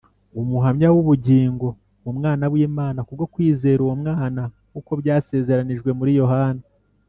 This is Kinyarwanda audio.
Umuhamya w'ubugingo mu Mwana (w'Imana) ku bwo kwizera uwo Mwana nk'uko byasezeranijwe muri Yohana